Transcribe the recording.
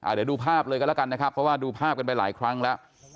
เดี๋ยวดูภาพเลยกันแล้วกันนะครับเพราะว่าดูภาพกันไปหลายครั้งแล้ว